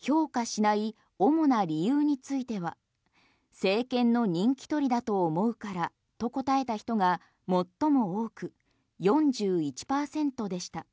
評価しない主な理由については政権の人気取りだと思うからと答えた人が最も多く４１％でした。